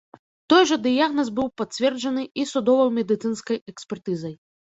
Той жа дыягназ быў пацверджаны і судова-медыцынскай экспертызай.